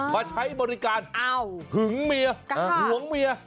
มาใช้บริการหึงเมียหวงเมีย